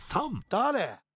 「誰？」